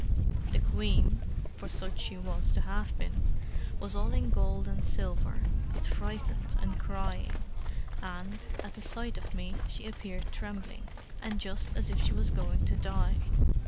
The queen (for such she was to have been) was all in gold and silver, but frightened and crying, and, at the sight of me, she appeared trembling, and just as if she was going to die.